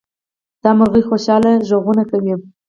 دا مرغۍ خوشحاله غږونه کوي.